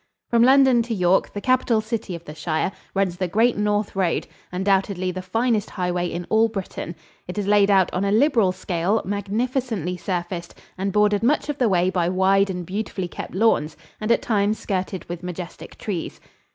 From London to York, the capital city of the shire, runs the Great North Road, undoubtedly the finest highway in all Britain. It is laid out on a liberal scale, magnificently surfaced and bordered much of the way by wide and beautifully kept lawns and at times skirted with majestic trees.